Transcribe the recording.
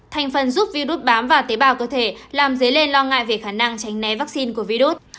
thành phần giúp virus bám vào tế bào cơ thể làm dấy lên lo ngại về khả năng tránh né vaccine của virus